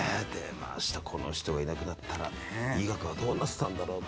この人がいなかったら医学はどうなってたんだろうと。